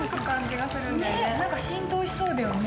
浸透しそうだよね。